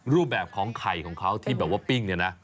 รูปแบบของไข่ของเขาที่แบบว่าปิ้งเนี่ยนะ